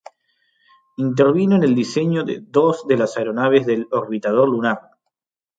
Intervino en el diseño de dos de las aeronaves del Orbitador Lunar.